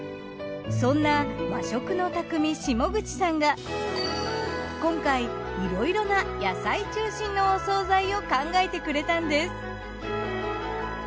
そんな和食の匠下口さんが今回いろいろな野菜中心のお惣菜を考えてくれたんです。